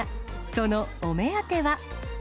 そのお目当ては。